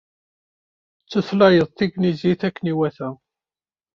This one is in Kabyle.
Tettutlayeḍ tanglizit akken iwata.